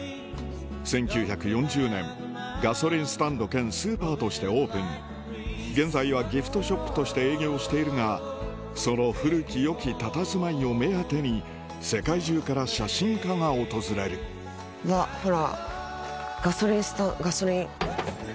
１９４０年ガソリンスタンド兼スーパーとしてオープン現在はギフトショップとして営業しているがその古き良きたたずまいを目当てに世界中から写真家が訪れるうわほら。